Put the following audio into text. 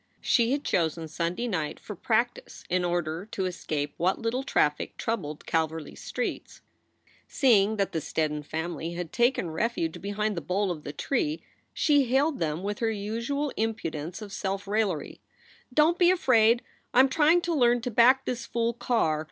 She had chosen Sunday night for practice in order to escape what little traffic troubled Calverly s streets. Seeing that the Steddon family had taken refuge behind the bole of the tree, she hailed them with her usual impudence of self raillery. "Don t be afraid! I m trying to learn to back this fool car.